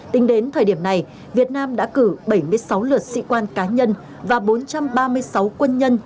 tính đến thời điểm này việt nam đã cử bảy mươi sáu lượt sĩ quan cá nhân và bốn trăm ba mươi sáu quân nhân